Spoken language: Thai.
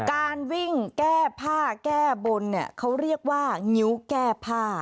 การวิ่งแก้ผ้าแก้บนเนี่ยเขาเรียกว่างิ้วแก้ผ้า